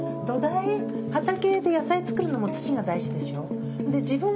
畑って野菜を作るのも土が大事でしょう。